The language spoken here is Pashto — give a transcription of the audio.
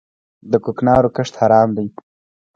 د کوکنارو کښت حرام دی؟